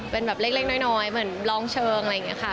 เป็นแบบเล็กน้อยเหมือนร้องเชิงอะไรอย่างนี้ค่ะ